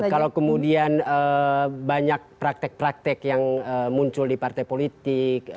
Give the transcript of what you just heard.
kalau kemudian banyak praktek praktek yang muncul di partai politik